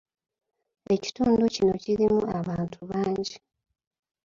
Ekitundu kino kirimu abantu bangi.